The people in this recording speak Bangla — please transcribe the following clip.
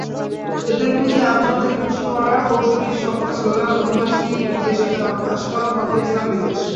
এদের পুঁজি আমজনতাকে খুশি করার কৌশলী সস্তা স্লোগান, অভিবাসীবিদ্বেষী আস্ফাালন তথা ইসলামবিদ্বেষ।